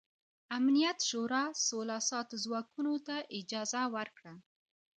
امنیت شورا سوله ساتو ځواکونو ته اجازه ورکړه.